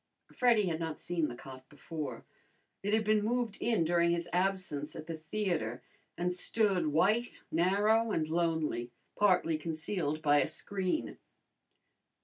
Freddy had not seen the cot before. It had been moved in during his absence at the theatre, and stood white, narrow, and lonely, partly concealed by a screen.